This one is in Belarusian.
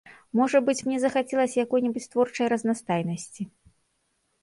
Можа быць, мне захацелася якой-небудзь творчай разнастайнасці.